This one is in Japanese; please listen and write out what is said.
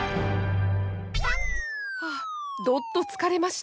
はぁどっと疲れました。